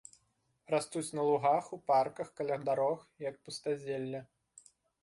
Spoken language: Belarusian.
Растуць на лугах, у парках, каля дарог, як пустазелле.